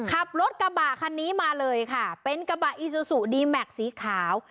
ขับรถกระบะคันนี้มาเลยค่ะเป็นกระบะอีซูซูดีแม็กซ์สีขาว